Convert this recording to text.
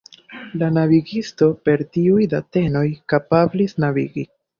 La navigisto per tiuj datenoj kapablis navigi.